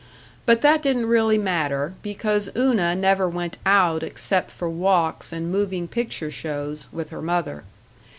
But that didn't really matter, because Una never went out except for walks and moving picture shows, with her mother.